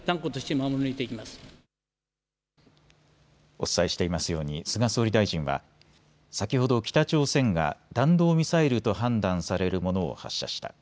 お伝えしていますように菅総理大臣は先ほど北朝鮮が弾道ミサイルと判断されるものを発射した。